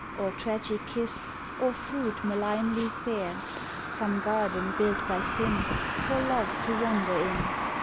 Or tragic kiss, or fruit malignly fair, Some garden built by Sin For Love to wander in.